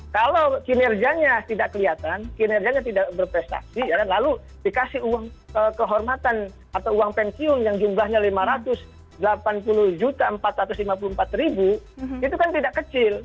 kalau kinerjanya tidak kelihatan kinerjanya tidak berprestasi lalu dikasih uang kehormatan atau uang pensiun yang jumlahnya lima ratus delapan puluh empat ratus lima puluh empat itu kan tidak kecil